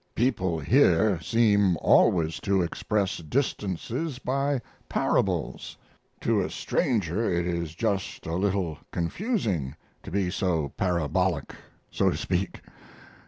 People here seem always to express distances by parables. To a stranger it is just a little confusing to be so parabolic so to speak.